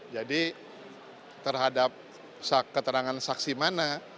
jadi terhadap keterangan saksi mana